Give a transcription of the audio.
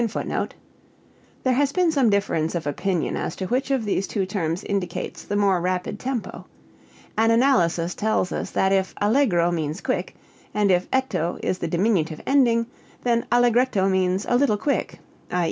[Footnote 28: There has been some difference of opinion as to which of these two terms indicates the more rapid tempo: an analysis tells us that if allegro means quick, and if etto is the diminutive ending, then allegretto means a little quick _i.